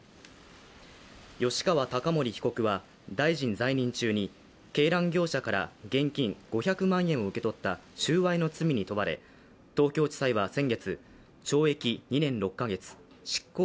吉川貴盛被告は大臣在任中に鶏卵業者から現金５００万円を受け取った収賄の罪に問われ東京地裁は先月、懲役２年６カ月執行